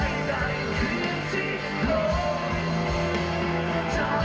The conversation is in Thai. อีกเส้นและใกล้จะไปจบที่สุดสุดท้าย